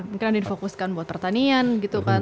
mungkin ada difokuskan buat pertanian gitu kan